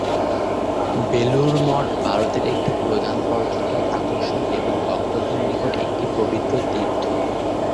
বেলুড় মঠ ভারতের একটি প্রধান পর্যটন আকর্ষণ এবং ভক্তদের নিকট একটি পবিত্র তীর্থ।